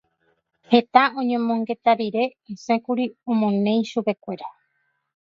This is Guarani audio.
Heta oñomongeta rire osẽkuri omoneĩ chupekuéra.